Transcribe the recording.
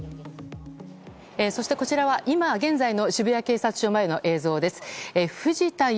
そしてこちらは、今現在の渋谷警察署前の映像です。